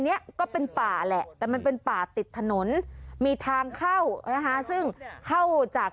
เนี้ยก็เป็นป่าแหละแต่มันเป็นป่าติดถนนมีทางเข้านะคะซึ่งเข้าจาก